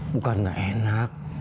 bukan nggak enak